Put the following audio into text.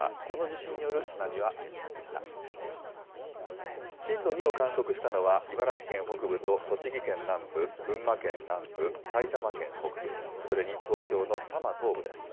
震度２を観測したのは、茨城県北部と栃木県南部、群馬県南部、埼玉県北部、それに東京の多摩東部です。